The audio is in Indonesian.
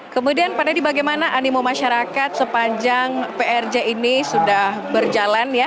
kemudian pak deddy bagaimana animo masyarakat sepanjang prj ini sudah berjalan ya